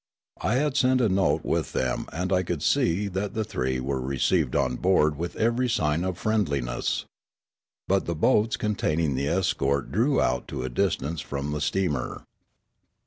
I had sent a note with them, and I could see that the three were received on board with every sign of friendliness. But the boats containing the escort drew out to a distance from the steamer.